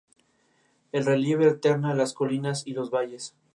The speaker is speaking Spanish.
Fue educado en Eton College y en King's College, Cambridge.